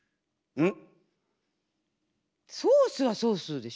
うん。